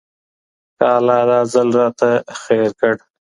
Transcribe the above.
که الله دا ځل راته خير کړو